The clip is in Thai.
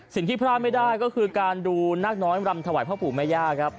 สิ่งที่พลาดไม่ได้ก็คือการดูนาคน้อยรำถวายพ่อปู่แม่ย่าครับ